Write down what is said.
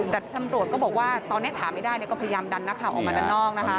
แต่ตำรวจก็บอกว่าตอนนี้ถามไม่ได้ก็พยายามดันนักข่าวออกมาด้านนอกนะคะ